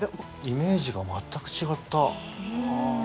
イメージが全く違った。